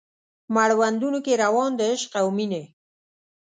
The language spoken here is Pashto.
مړوندونو کې روان د عشق او میینې